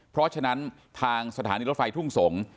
เพราะฉะนั้นทางสถานีรถไฟทุ่งสงศ์